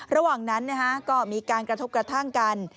ระหว่างนั้นก็มีการกระทบกระทั่งกัน